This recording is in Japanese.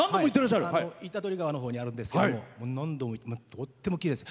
板取川のほうにあるんですけど何度もとってもきれいです。